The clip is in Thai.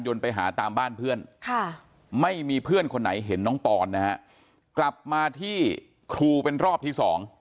ไปหาตามบ้านเพื่อนไม่มีเพื่อนคนไหนเห็นน้องปอนนะฮะกลับมาที่ครูเป็นรอบที่๒